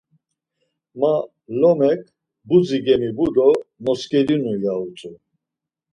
Ma lomek budzi gemibu do moskedinu ya utzu.